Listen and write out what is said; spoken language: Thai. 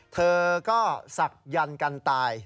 เธอก็ศักดิ์กันตาย